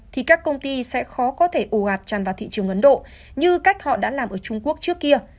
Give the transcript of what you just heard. thì các công ty sẽ khó có thể ồ ạt tràn vào thị trường ấn độ như cách họ đã làm ở trung quốc trước kia